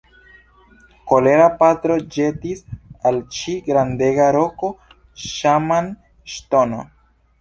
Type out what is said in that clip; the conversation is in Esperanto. Kolera patro ĵetis al ŝi grandega roko Ŝaman-ŝtono.